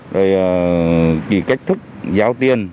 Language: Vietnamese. vì cách thức giao tiền